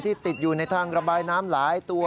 ติดอยู่ในทางระบายน้ำหลายตัว